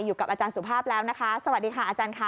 อยู่กับอาจารย์สุภาพแล้วนะคะสวัสดีค่ะอาจารย์ค่ะ